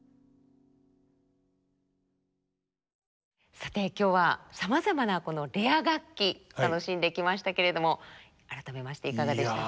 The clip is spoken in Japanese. さて今日はさまざまなこのレア楽器楽しんできましたけれども改めましていかがですか？